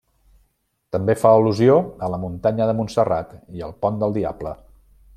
També fa al·lusió a la muntanya de Montserrat i al pont del Diable.